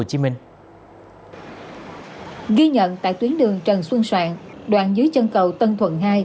ghi nhận tại tuyến đường trần xuân soạn đoàn dưới chân cầu tân thuận hai